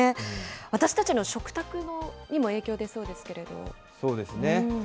私たちの食卓にも影響でそうですそうですね。